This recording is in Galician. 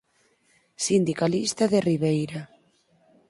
Sindicalista de Ribeira.